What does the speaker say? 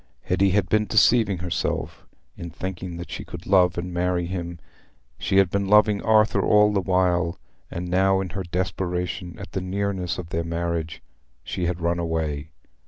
Hetty had been deceiving herself in thinking that she could love and marry him: she had been loving Arthur all the while; and now, in her desperation at the nearness of their marriage, she had run away.